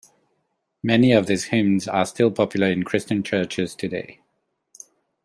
Many of these hymns are still popular in Christian churches today.